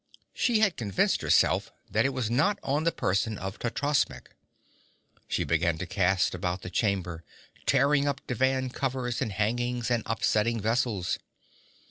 She had convinced herself that it was not on the person of Totrasmek. She began to cast about the chamber, tearing up divan covers and hangings, and upsetting vessels.